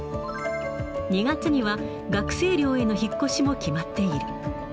２月には学生寮への引っ越しも決まっている。